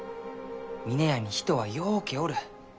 峰屋に人はようけおる。